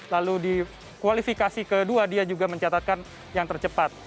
lalu di kualifikasi kedua dia juga mencatatkan yang tercepat